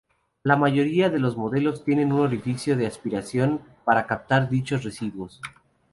La mayoría de los modelos tienen un orificio de aspiración para captar dichos residuos.